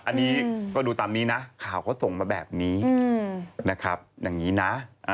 อันนี้ก็ดูตามนี้นะข่าวเขาส่งมาแบบนี้นะครับอย่างนี้นะ